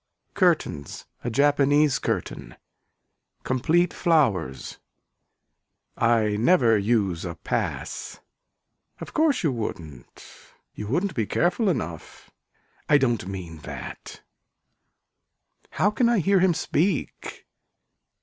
Curtains a japanese curtain. Complete flowers. I never use a pass. Of course you wouldn't. You wouldn't be careful enough. I don't mean that. How can I hear him speak.